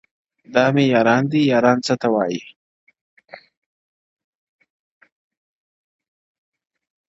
دا مې یاران دي یاران څۀ ته وایي -